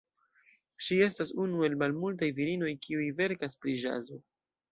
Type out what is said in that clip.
Ŝi estas unu el malmultaj virinoj, kiuj verkas pri ĵazo.